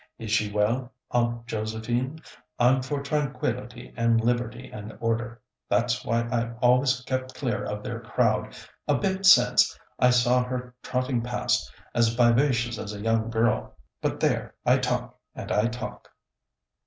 Is she well, Aunt Josephine? I'm for tranquillity and liberty and order. That's why I've always kept clear of their crowd. A bit since, I saw her trotting past, as vivacious as a young girl, but there, I talk and I talk!"